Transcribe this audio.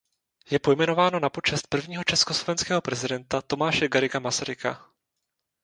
Je pojmenováno na počest prvního československého prezidenta Tomáše Garrigua Masaryka.